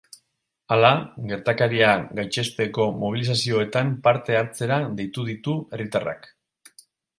Hala, gertakaria gaitzesteko mobilizazioetan parte hartzera deitu ditu herritarrak.